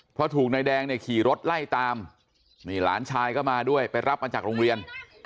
เพราะถูกนายแดงเนี่ยขี่รถไล่ตามนี่หลานชายก็มาด้วยไปรับมาจากโรงเรียน